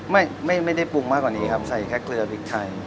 ไม่ได้ปรุงมากกว่านี้ครับใส่แค่เกลือพริกไทย